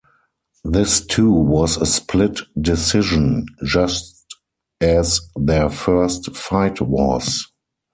This too was a split decision just as their first fight was.